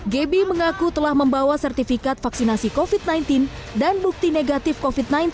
gebie mengaku telah membawa sertifikat vaksinasi covid sembilan belas dan bukti negatif covid sembilan belas